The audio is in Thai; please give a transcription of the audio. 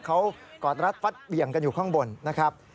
เขากอดรัดฟัดเบี่ยงกันอยู่ข้างบนนะครับ